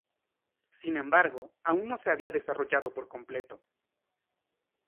Sin embargo, aun no se había desarrollado por completo.